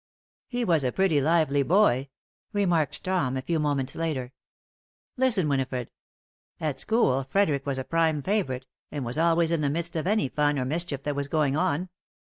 "He was a pretty lively boy," remarked Tom, a few moments later. "Listen, Winifred! 'At school, Frederic was a prime favorite, and was always in the midst of any fun or mischief that was going on.